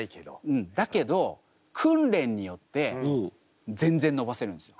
うんだけど訓練によって全然伸ばせるんですよ。